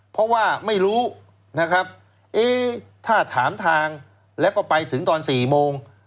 เพราะว่าไม่รู้นะครับเอ๊ะถ้าถามทางแล้วก็ไปถึงตอน๔โมง